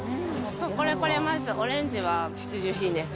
これこれ、まずオレンジは必需品です。